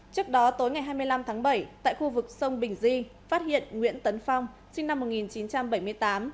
trước đó tối ngày hai mươi năm tháng bảy tại khu vực sông bình di phát hiện nguyễn tấn phong sinh năm một nghìn chín trăm bảy mươi tám